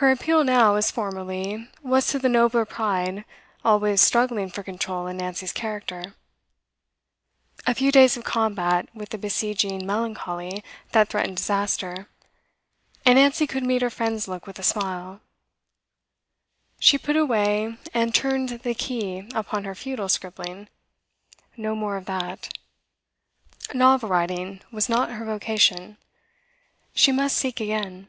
Her appeal now, as formerly, was to the nobler pride always struggling for control in Nancy's character. A few days of combat with the besieging melancholy that threatened disaster, and Nancy could meet her friend's look with a smile. She put away and turned the key upon her futile scribbling; no more of that. Novel writing was not her vocation; she must seek again.